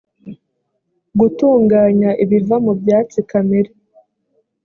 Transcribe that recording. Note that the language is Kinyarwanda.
gutunganya ibiva mu byatsi kamere